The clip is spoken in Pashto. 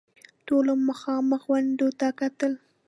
ټولو مخامخ غونډيو ته کتل.